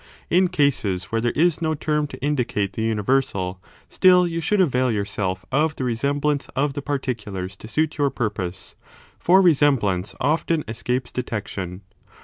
In cases where there is no term to indicate the universal, still you should avail yourself of the resemblance of the particulars to suit your purpose ; for resemblance often escapes detection.